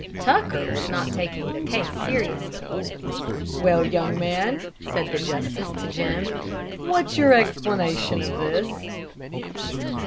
Tucker was not taking the case seriously. "Well, young man," said the justice to Jim, "what's your explanation of this?"